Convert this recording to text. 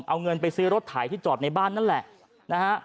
เอาเงินไปซื้อรถไถที่จอดในบ้านนั่นแหละนะฮะ